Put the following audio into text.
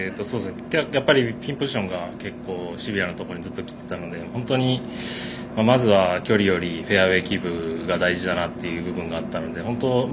ピンポジションが結構シビアなところにずっと切ってあったので本当に距離よりもフェアウエーキープが大事だという部分があったので。